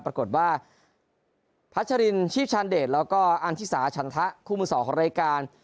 ปรากฏว่าพัชรินชีพชาญเดชแล้วก็อันที่สาฉันทะคู่มือสองของรายการ